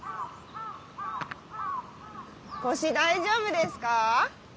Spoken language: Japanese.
腰大丈夫ですか？